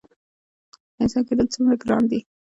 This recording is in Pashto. انسان کیدل څومره ګران دي؟